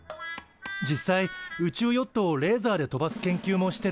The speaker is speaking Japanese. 実際宇宙ヨットをレーザーで飛ばす研究もしてるしね。